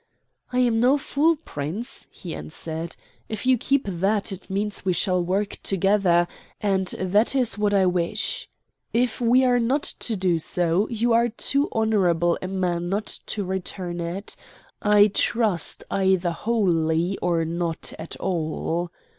"I am no fool, Prince," he answered. "If you keep that, it means we shall work together, and that is what I wish. If we are not to do so, you are too honorable a man not to return it. I trust either wholly, or not at all."